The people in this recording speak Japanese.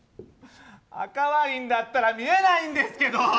赤ワインだったら見えないんですけど。